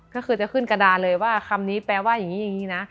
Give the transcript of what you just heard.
ก็คือจะขึ้นกระดานเลยว่าคำนี้แปลว่าอย่างนี้อย่างนี้นะ